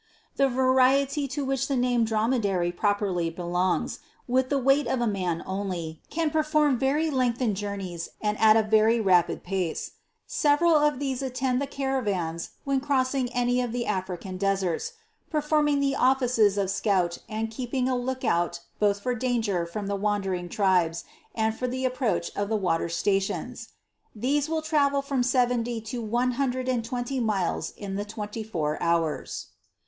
" The variety to which the name of Dromedary properly belongs, with the weight of a man, only, can perform very lengthened journeys, and at a very rapid quick pace. Several of these attend the caravans when crossing any of the African deserts, perform ing the offices of scouts and keeping a look out both for danger from the wandering tribes, and for the approach to the water stations. These will travel from seventy to one hundred and twenty miles in the twenty four hours.